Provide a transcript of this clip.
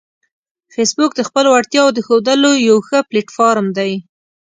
فېسبوک د خپلو وړتیاوو د ښودلو یو ښه پلیټ فارم دی